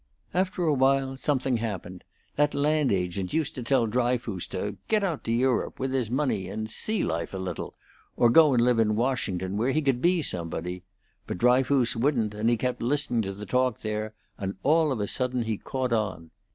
"After a while something happened. That land agent used to tell Dryfoos to get out to Europe with his money and see life a little, or go and live in Washington, where he could be somebody; but Dryfoos wouldn't, and he kept listening to the talk there, and all of a sudden he caught on.